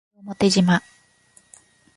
西表島